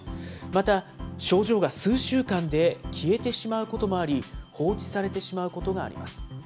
また、症状が数週間で消えてしまうこともあり、放置されてしまうことがあります。